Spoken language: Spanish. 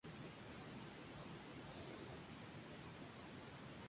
Lenny Bruce es un cáustico humorista que trabaja en locales nocturnos de poca categoría.